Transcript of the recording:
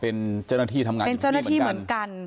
เป็นเจ้าหน้าที่ทำงานอยู่ที่นี่เหมือนกัน